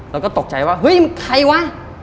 แล้วก็ตกใจว่าเฮ้ยใครวะ